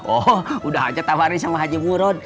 oh udah aja tawarin sama haji murud